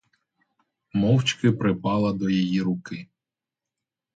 Мовчки припала до її руки.